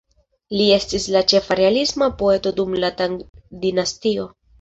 Li estis la ĉefa realisma poeto dum la Tang dinastio.